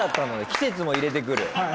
季節も入れてくる？